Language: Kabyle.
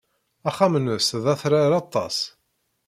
Axxam-nnes d atrar aṭas.